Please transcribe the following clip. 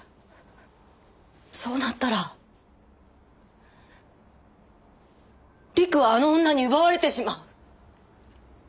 そうなったら陸はあの女に奪われてしまう。